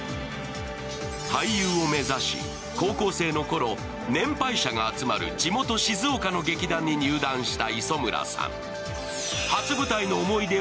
俳優を目指し、高校生のころ年配者が集まる地元・静岡の劇団に入団した磯村さん。